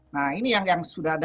nah ini yang sudah ada